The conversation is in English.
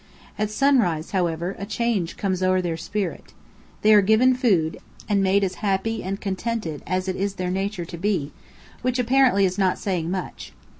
At sunrise, however, a change comes o'er their spirit. They are given food, and made as happy and contented as it is their nature to be, which apparently is not saying much.